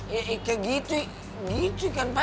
ya iya kayak gitu gitu kan pak ya